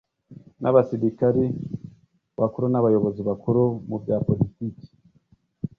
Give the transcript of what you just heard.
n'abasilikari bakuru n'abayobozi bakuru mu bya politiki